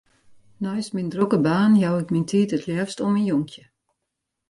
Neist myn drokke baan jou ik myn tiid it leafst oan myn jonkje.